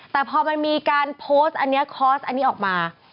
แต่พอมันมีการโพสต์อันนี้คอร์สอันนี้ออกมา